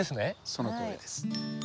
そのとおりです。